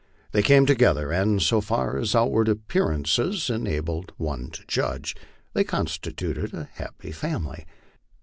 They came together, and, so far as outward appearances enabled one to judge, they constituted a happy family.